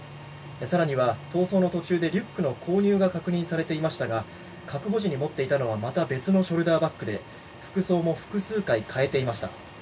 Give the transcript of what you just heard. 更には逃走の途中でリュックの購入も確認されていましたが確保時に持っていたのはまた別のショルダーバッグで服装も複数回変えていました。